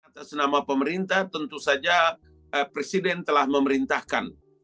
atas nama pemerintah tentu saja presiden telah memerintahkan